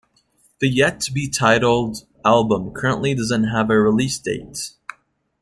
The yet-to-be titled album currently doesn't have a release date.